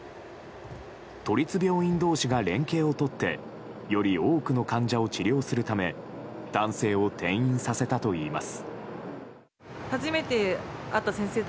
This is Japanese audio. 都立病院同士が連携を取ってより多くの患者を治療するため男性を転院させたといいます。